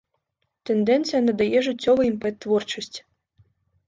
Тэндэнцыя надае жыццёвы імпэт творчасці.